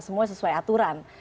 semuanya sesuai aturan